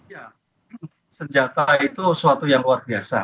ya senjata itu suatu yang luar biasa